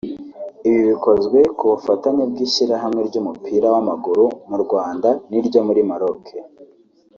Ibi bikozwe ku bufatanye bw’Ishyirahamwe ry’Umupira w’Amaguru mu Rwanda n’iryo muri Maroc